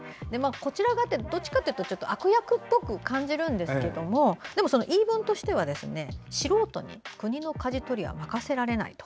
こちら側ってどちらかというと悪役っぽく感じるんですけど言い分としては素人に国のかじ取りは任せられないと。